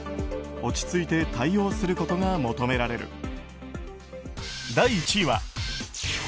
落ち着いて対応することが求められる。